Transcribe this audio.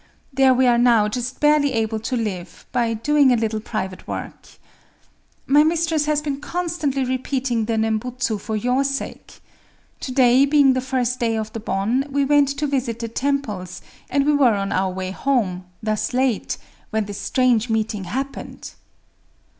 There we are now just barely able to live, by doing a little private work…. My mistress has been constantly repeating the Nembutsu for your sake. To day, being the first day of the Bon, we went to visit the temples; and we were on our way home—thus late—when this strange meeting happened."